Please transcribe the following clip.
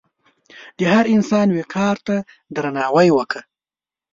د هر انسان وقار ته درناوی وکړه.